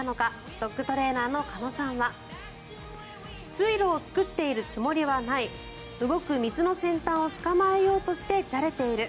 ドッグトレーナーの鹿野さんは水路を作っているつもりはない動く水の先端を捕まえようとしてじゃれている。